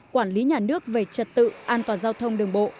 quản lý nhà nước về trật tự an toàn giao thông đường bộ